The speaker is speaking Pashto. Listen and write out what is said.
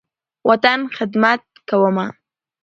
وطن، خدمت کومه